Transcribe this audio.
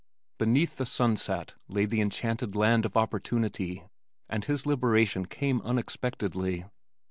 Beneath the sunset lay the enchanted land of opportunity and his liberation came unexpectedly.